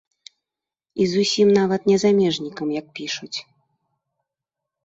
І зусім нават не замежнікам, як пішуць.